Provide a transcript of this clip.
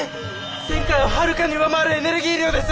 前回をはるかに上回るエネルギー量です！